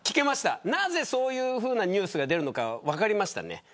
なぜそういうふうなニュースが出るのか分かりました。